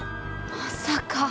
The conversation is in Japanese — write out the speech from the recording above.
まさか。